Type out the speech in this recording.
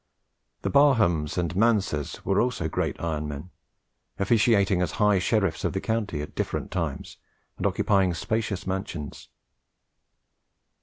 The Barhams and Mansers were also great iron men, officiating as high sheriffs of the county at different times, and occupying spacious mansions.